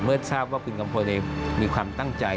เมื่อทราบว่าคุณกำพลนี้มีความตั้งใจ